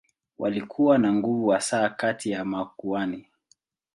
Walikuwa na nguvu hasa kati ya makuhani.